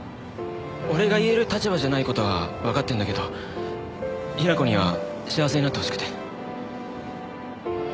俺が言える立場じゃない事はわかってるんだけど雛子には幸せになってほしくて。